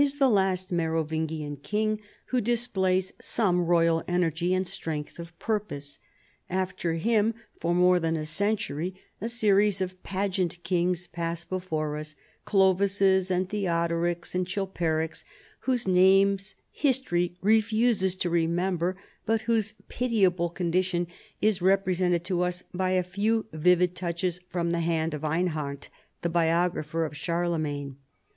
19 the last Merovingian king who displays some royal energy and strength of purpose. After him for more than a century a series of pageant kings pass before us, Clovises and Theodorics and Chilperics, whose names history refuses to remember, but whose pitiable con dition is represented to us by a few vivid touches from the hand of Einhard, the biographer of Charle magne.